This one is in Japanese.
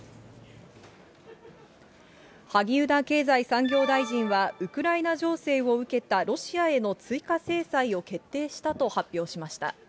萩生田経済産業大臣は、ウクライナ情勢を受けたロシアへの追加制裁を決定したと発表しました。